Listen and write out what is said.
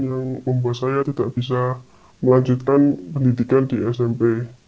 yang membuat saya tidak bisa melanjutkan pendidikan di smp